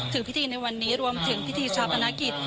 ถึงพิธีในวันนี้รวมถึงพิธีชาปนกิจ